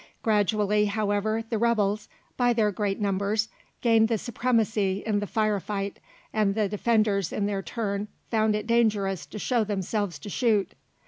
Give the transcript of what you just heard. Gradually, however, the rebels, by their great numbers, gained the supremacy in the fire fight, and the defenders in their turn found it dangerous to show themselves to shoot.